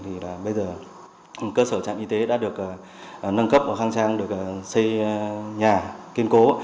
thì bây giờ cơ sở trạm y tế đã được nâng cấp khang trang được xây nhà kiên cố